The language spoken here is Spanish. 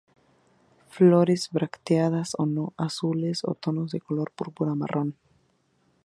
Flores bracteadas o no, azules o tonos de color púrpura-marrón.